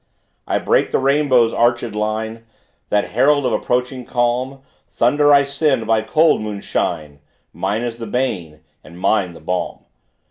I break the rainbow's arched line; That herald of approaching calm. Thunder I send by cold moonshine, Mine is the bane and mine the balm.